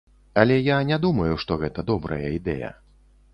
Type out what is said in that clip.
Але я не думаю, што гэта добрая ідэя.